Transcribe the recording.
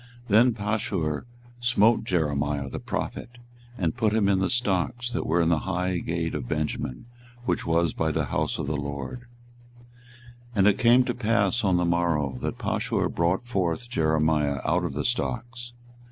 24:020:002 Then Pashur smote Jeremiah the prophet, and put him in the stocks that were in the high gate of Benjamin, which was by the house of the LORD. 24:020:003 And it came to pass on the morrow, that Pashur brought forth Jeremiah out of the stocks.